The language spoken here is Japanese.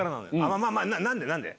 何で？